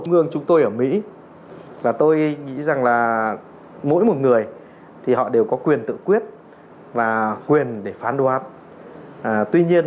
cùng chung quan điểm với chủ tịch phái bộ chuyên giáo hà nội việt nam